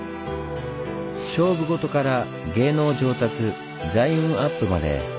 勝負事から芸能上達財運アップまで。